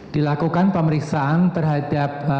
dilakukan pemeriksaan terhadap